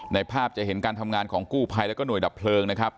ภาพจะเห็นการทำงานของกู้ภัยแล้วก็หน่วยดับเพลิงนะครับ